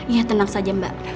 iya tenang saja mbak